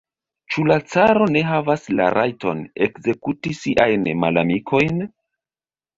Ĉu la caro ne havas la rajton ekzekuti siajn malamikojn?